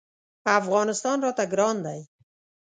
افغانستان راته ګران دی.